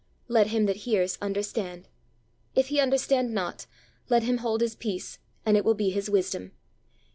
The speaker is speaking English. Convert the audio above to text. Let him that hears understand! if he understand not, let him hold his peace, and it will be his wisdom!